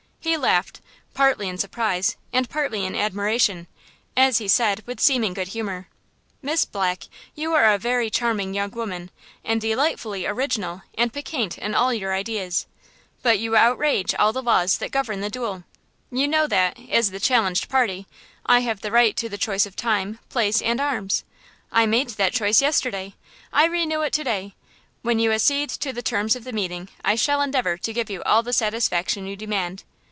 He laughed–partly in surprise and partly in admiration, as he said, with seeming good humor: "Miss Black, you are a very charming young woman, and delightfully original and piquant in all your ideas; but you outrage all the laws that govern the duello. You know that, as the challenged party, I have the right to the choice of time, place and arms. I made that choice yesterday. I renew it to day. When you accede to the terms of the meeting I shall endeavor to give you all the satisfaction you demand!